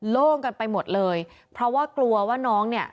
โล่งกันไปหมดเลยเพราะว่ากลัวว่าน้องเนี่ย